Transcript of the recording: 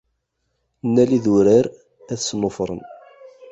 Nnal idurar, ad snufṛen!